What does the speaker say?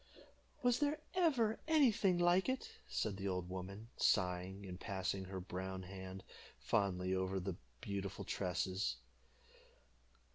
"Was there ever any thing like it?" said the old woman, sighing, and passing her brown hand fondly over the beautiful tresses.